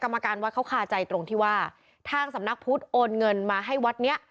กรรมการวัดเขาคาใจตรงที่ว่าทางสำนักพุทธโอนเงินมาให้วัดเนี้ย